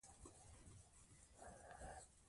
مالي بازارونه باید تحلیل شي.